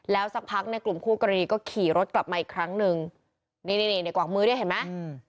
สักพักในกลุ่มคู่กรณีก็ขี่รถกลับมาอีกครั้งหนึ่งนี่นี่ในกวักมือด้วยเห็นไหม